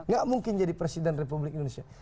gak mungkin jadi presiden republik indonesia